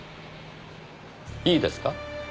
いいですか？